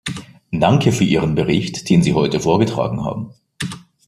Danke für Ihren Bericht, den Sie heute vorgetragen haben.